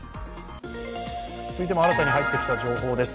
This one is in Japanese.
続いても、新たに入ってきた情報です。